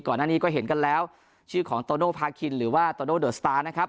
ก่อนอันนี้ก็เห็นกันแล้วชื่อของโตโน่พาคินหรือว่าโตโน่เดอร์สตาร์